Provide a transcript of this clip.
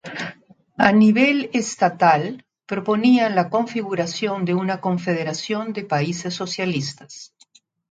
A nivel estatal, proponían la configuración de una "Confederación de Países Socialistas".